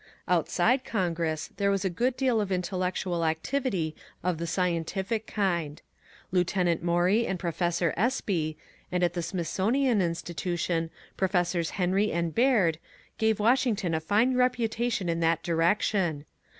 Outside Congress there was a good deal of intellectual ac tivity of the scientific kind. Lieutenant Maury and Professor Espy, and at the Smithsonian Institution Professors Henry and Baird, gave Washington a fine reputation in that direc tion.